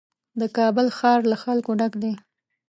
د کابل ښار له خلکو ډک دی.